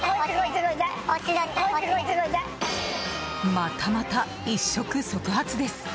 またまた一触即発です。